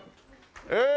ええ？